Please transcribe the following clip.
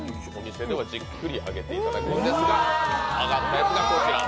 店ではじっくり揚げていただくんですが、揚がったやつがこちら。